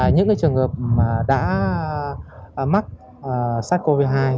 những trường hợp đã mắc sars cov hai hoặc là trường hợp có nguy cơ mắc